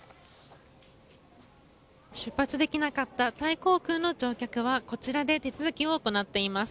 出発できなかったタイ航空機の乗客はこちらで手続きを行っています。